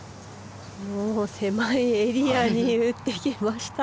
狭いエリアに打っていきました。